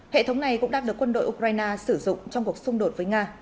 hệ thống này cũng đang được quân đội ukraine sử dụng trong cuộc xung đột với nga